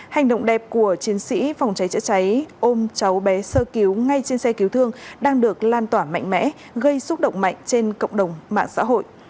hành động đẹp của chiến sĩ phòng cháy chữa cháy ôm cháu bé sơ cứu ngay trên xe cứu thương đang được lan tỏa mạnh mẽ gây xúc động mạnh trên cộng đồng mạng xã hội